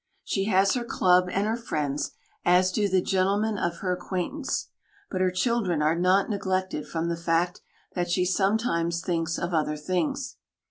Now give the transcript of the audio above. She has her club and her friends, as do the gentlemen of her acquaintance, but her children are not neglected from the fact that she sometimes thinks of other things.